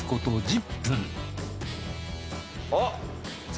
あっ！